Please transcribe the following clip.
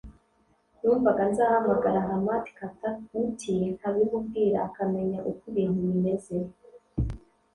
numvaga nzahamagara Hamad [Katauti] nkabimubwira akamenya uko ibintu bimeze…